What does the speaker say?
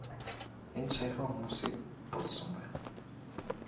Энд саяхан хүмүүсийг булсан байна.